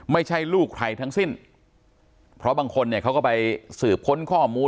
ไม่ใช่ลูกใครทั้งสิ้นเพราะบางคนเนี่ยเขาก็ไปสืบค้นข้อมูล